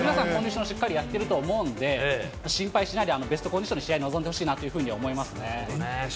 皆さん、しっかりやっていると思うので、心配しないで、ベストコンディションで試合臨んでほしいなと思いますね。